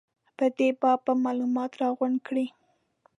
په دې باب به معلومات راغونډ کړي.